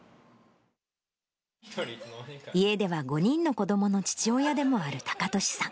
家では５人の子どもの父親でもある隆敏さん。